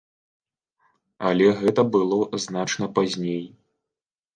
Але гэта было значна пазней.